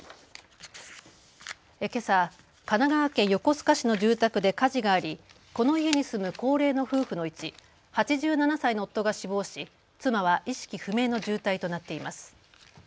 けさ神奈川県横須賀市の住宅で火事があり、この家に住む高齢の夫婦のうち８７歳の夫が死亡し妻は意識不明の重体となっています。